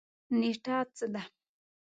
نیټه څه ده؟